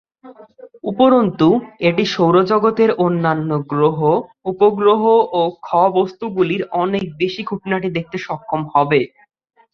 উপরন্তু, এটি সৌরজগতের অন্যান্য গ্রহ, উপগ্রহ ও খ-বস্তুগুলির অনেক বেশী খুঁটিনাটি দেখতে সক্ষম হবে।